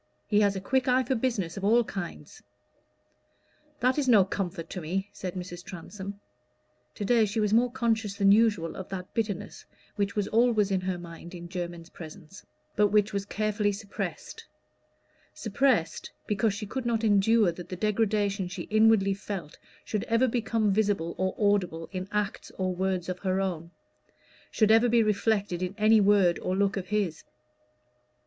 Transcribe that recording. He has a quick eye for business of all kinds." "That is no comfort to me," said Mrs. Transome. To day she was more conscious than usual of that bitterness which was always in her mind in Jermyn's presence, but which was carefully suppressed: suppressed because she could not endure that the degradation she inwardly felt should ever become visible or audible in acts or words of her own should ever be reflected in any word or look of his.